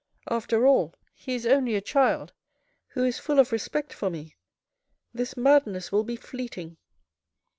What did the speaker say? After all, he is only a child who is full of respect for me. This madness will be fleeting.